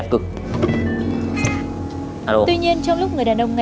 con định thay không